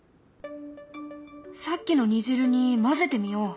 さっきの煮汁に混ぜてみよう。